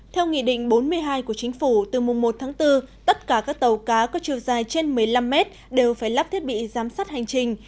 theo nghị định bốn mươi hai của chính phủ từ mùng một tháng bốn tất cả các tàu cá có chiều dài trên một mươi năm mét đều phải lắp thiết bị giám sát hành trình